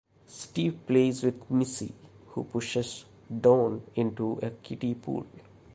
Steve plays with Missy, who pushes Dawn into a kiddie pool.